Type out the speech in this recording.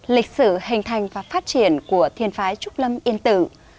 lịch sử hình thành và phát triển của thiên phái trúc lâm yên tử